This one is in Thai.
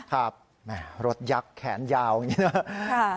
ครับแหมรถยักษ์แขนยาวอย่างนี้เนอะค่ะ